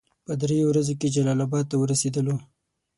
په دریو ورځو کې جلال اباد ته ورسېدلو.